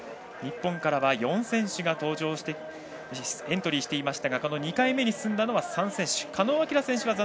日本からは４選手がエントリーしていましたが２回目に進んだのは３選手。